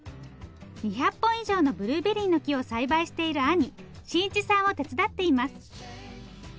２００本以上のブルーベリーの木を栽培している兄伸一さんを手伝っています。